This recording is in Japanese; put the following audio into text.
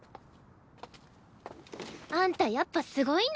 あんたやっぱすごいんだね。